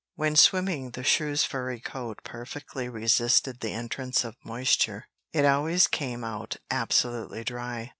When swimming, the shrew's furry coat perfectly resisted the entrance of moisture; it always came out absolutely dry.